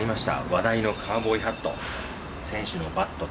話題のカウボーイハット。